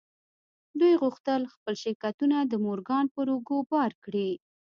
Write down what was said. دوی غوښتل خپل شرکتونه د مورګان پر اوږو بار کړي.